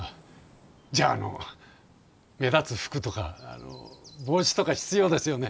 じゃああの目立つ服とかあの帽子とか必要ですよね。